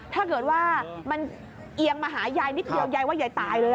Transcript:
ถ้าเกิดว่ามันเอียงมาหายายนิดเดียวยายว่ายายตายเลย